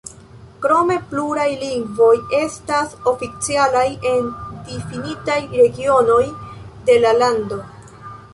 Krome pluraj lingvoj estas oficialaj en difinitaj regionoj de la lando.